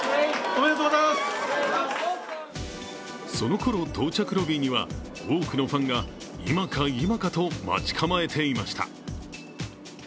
そのころ到着ロビーには多くのファンが今か今かと待ち構えていました